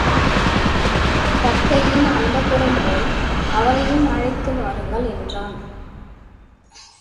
தத்தையின் அந்தப்புரம் போய் அவளையும் அழைத்து வாருங்கள்! என்றான்.